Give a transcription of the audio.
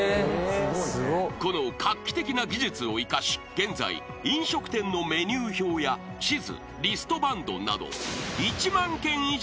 ［この画期的な技術を生かし現在飲食店のメニュー表や地図リストバンドなど］